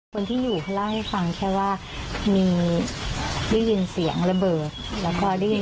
คนที่อยู่เขาเล่าให้ฟังแค่ว่ามีได้ยินเสียงระเบิดแล้วพอได้ยิน